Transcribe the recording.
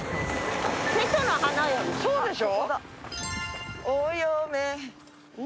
そうでしょ？